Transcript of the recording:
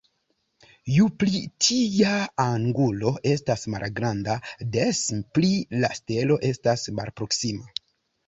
Ju pli tia angulo estas malgranda, des pli la stelo estas malproksima.